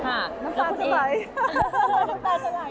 น้ำตาจะไหล